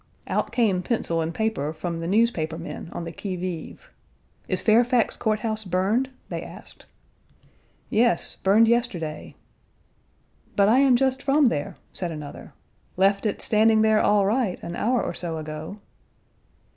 Out came pencil and paper from the newspaper men on the qui vive. "Is Fairfax Court House burned?" they asked. "Yes, burned yesterday." "But Page 105 I am just from there," said another; "left it standing there all right an hour or so ago."